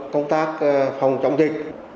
công tác phòng chống dịch